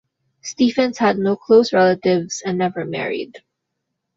Stephens had no close relatives and never married.